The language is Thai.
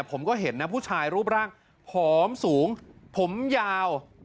ผมก็เห็นนะผู้ชายรูปร่างผอมสูงผมยาว